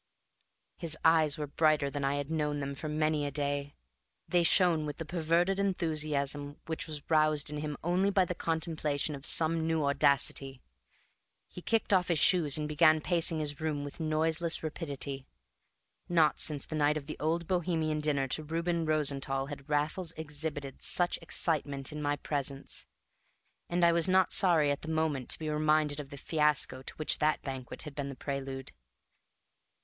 His eyes were brighter than I had known them for many a day. They shone with the perverted enthusiasm which was roused in him only by the contemplation of some new audacity. He kicked off his shoes and began pacing his room with noiseless rapidity; not since the night of the Old Bohemian dinner to Reuben Rosenthall had Raffles exhibited such excitement in my presence; and I was not sorry at the moment to be reminded of the fiasco to which that banquet had been the prelude.